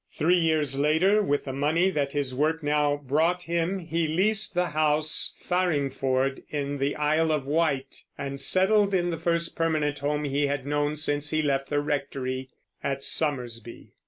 Three years later, with the money that his work now brought him, he leased the house Farringford, in the Isle of Wight, and settled in the first permanent home he had known since he left the rectory at Somersby.